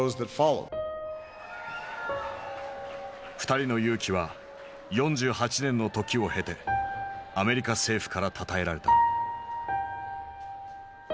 ２人の勇気は４８年の時を経てアメリカ政府からたたえられた。